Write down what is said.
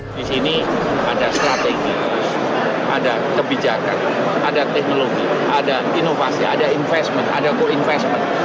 di sini ada strategi ada kebijakan ada teknologi ada inovasi ada investment ada co investment